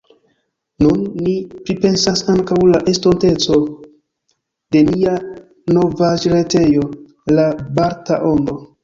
Nun ni pripensas ankaŭ la estontecon de nia novaĵretejo La Balta Ondo.